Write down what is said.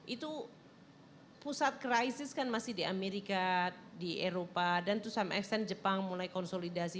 itu pusat krisis kan masih di amerika di eropa dan to some extent jepang mulai konsolidasi